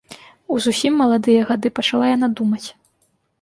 У зусім маладыя гады пачала яна думаць.